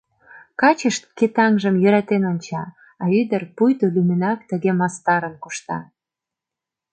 Каче шке таҥжым йӧратен онча, а ӱдыр пуйто лӱмынак тыге мастарын кушта.